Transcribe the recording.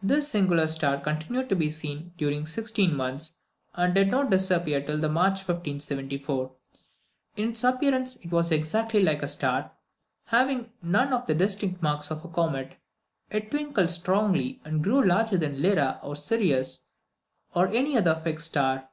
This singular body continued to be seen during 16 months, and did not disappear till March 1574. In its appearance it was exactly like a star, having none of the distinctive marks of a comet. It twinkled strongly, and grew larger than Lyra or Sirius, or any other fixed star.